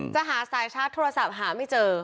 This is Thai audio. จะหาสายชาร์จโทรศัพท์หาไม่เจอ